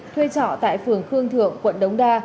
thuê trọ tại phường khương thượng quận đống đa